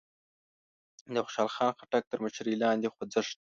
د خوشال خان خټک تر مشرۍ لاندې خوځښت